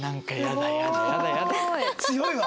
強いわ！